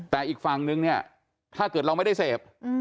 แต่อีกฝั่งนึงเนี่ยถ้าเกิดเราไม่ได้เสพ